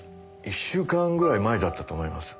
一週間ぐらい前だったと思います。